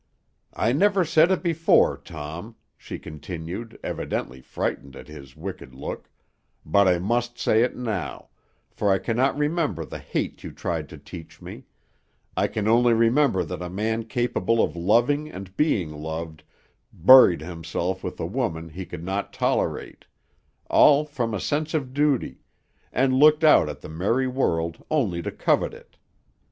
"'I never said it before, Tom,' she continued, evidently frightened at his wicked look, 'but I must say it now, for I cannot remember the hate you tried to teach me; I can only remember that a man capable of loving and being loved buried himself with a woman he could not tolerate, all from a sense of duty, and looked out at the merry world only to covet it.